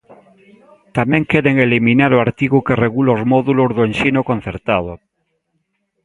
Tamén queren eliminar o artigo que regula os módulos do ensino concertado.